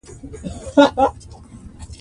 سیلانی ځایونه د افغانستان د پوهنې نصاب کې شامل دي.